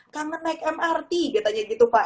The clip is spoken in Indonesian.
kangen naik mrt katanya gitu pak